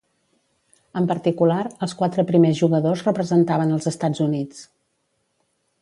En particular, els quatre primers jugadors representaven els Estats Units.